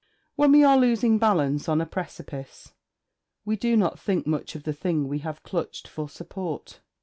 When we are losing balance on a precipice we do not think much of the thing we have clutched for support.